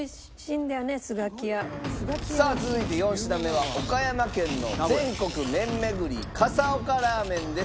さあ続いて４品目は岡山県の全国麺めぐり笠岡ラーメンです。